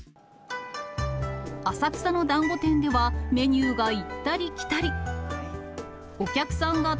浅草のだんご店では、メニューが行ったり来たり。